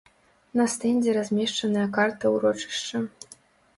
На стэндзе размешчаная карта ўрочышча.